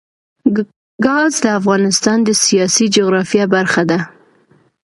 ګاز د افغانستان د سیاسي جغرافیه برخه ده.